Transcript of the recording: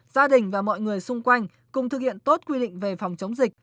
gia đình và mọi người xung quanh cùng thực hiện tốt quy định về phòng chống dịch